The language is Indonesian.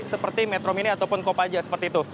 seperti metro mini ataupun kopaja seperti itu